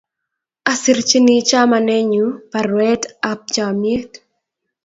Asirchini chamanenyu parwet ap chamyet